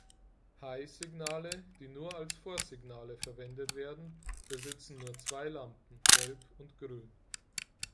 Hl-Signale, die nur als Vorsignale verwendet werden, besitzen nur zwei Lampen, gelb und grün.